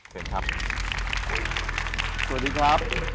สวัสดีครับ